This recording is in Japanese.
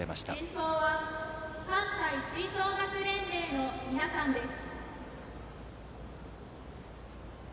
演奏は関西吹奏楽連盟の皆さんです。